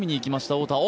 太田。